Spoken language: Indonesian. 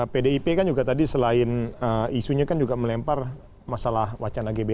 pdip kan juga tadi selain isunya kan juga melempar masalah wacana gbh